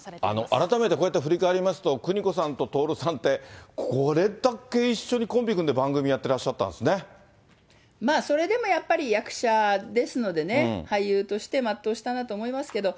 改めてこうやって振り返りますと、邦子さんと徹さんって、これだけ一緒にコンビ組んで、番組まあそれでもやっぱり、役者ですのでね、俳優として全うしたなと思いますけど。